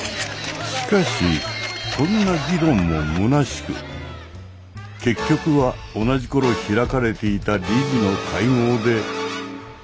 しかしこんな議論もむなしく結局は同じ頃開かれていた理事の会合で。